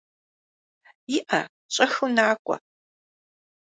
ИӀэ, щӀэхыу накӏуэ.